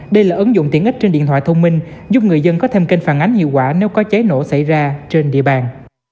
đây là ứng dụng tiện ích trên điện thoại thông minh giúp người dân có thêm kênh phản ánh hiệu quả nếu có cháy nổ xảy ra trên địa bàn